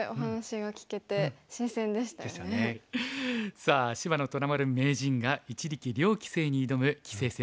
さあ芝野虎丸名人が一力遼棋聖に挑む棋聖戦